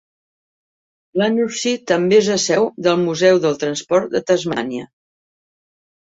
Glenorchy també és la seu del Museu del Transport de Tasmània.